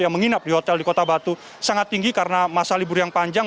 yang menginap di hotel di kota batu sangat tinggi karena masa libur yang panjang